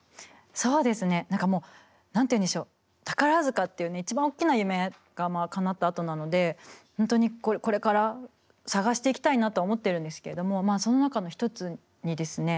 そうですね何かもう何ていうんでしょう宝塚っていうね一番おっきな夢がかなったあとなので本当にこれから探していきたいなとは思ってるんですけれどもその中の一つにですね